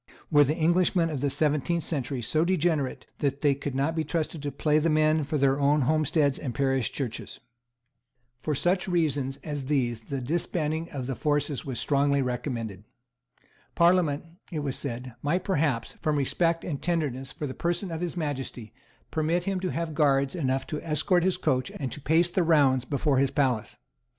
Were the English of the seventeenth century so degenerate that they could not be trusted to play the men for their own homesteads and parish churches? For such reasons as these the disbanding of the forces was strongly recommended. Parliament, it was said, might perhaps, from respect and tenderness for the person of His Majesty, permit him to have guards enough to escort his coach and to pace the rounds before his palace.